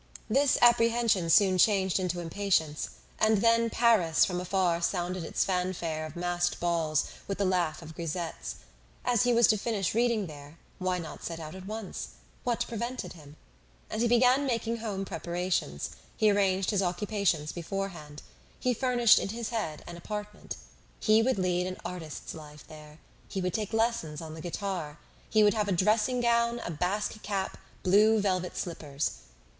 This apprehension soon changed into impatience, and then Paris from afar sounded its fanfare of masked balls with the laugh of grisettes. As he was to finish reading there, why not set out at once? What prevented him? And he began making home preparations; he arranged his occupations beforehand. He furnished in his head an apartment. He would lead an artist's life there! He would take lessons on the guitar! He would have a dressing gown, a Basque cap, blue velvet slippers!